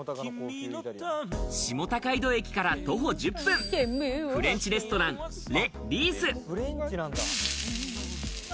下高井戸駅から徒歩１０分、フレンチレストラン、レ・リース。